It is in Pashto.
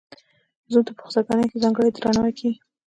زوم ته په خسرګنۍ کې ځانګړی درناوی کیږي.